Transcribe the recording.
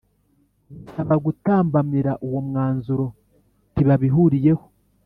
Gusaba gutambamira uwo mwanzuro ntibabihuriyeho